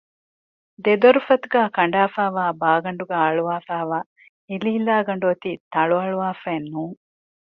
ދެ ދޮރުފަތުގައި ކަނޑާފައިވާ ބާގަނޑުގައި އަޅުވަފައިވާ ހިލިހިލާގަނޑު އޮތީ ތަޅުއަޅުވާފައެއް ނޫން